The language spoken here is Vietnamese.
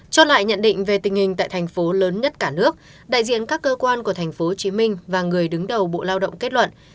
cho lại nhận định về tình hình tại thành phố lớn nhất cả nước đại diện các cơ quan của tp hcm và người đứng đầu bộ lao động kết luận